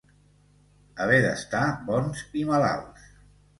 Haver d'estar bons i malalts.